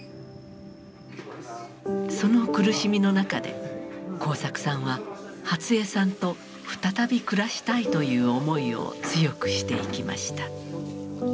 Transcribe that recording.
その苦しみの中で耕作さんは初江さんと再び暮らしたいという思いを強くしていきました。